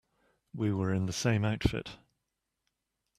We were in the same outfit.